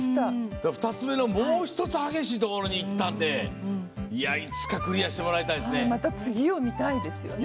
２つ目のもう１つ激しいところにいったのでいつかクリアしてまた次を見たいですよね。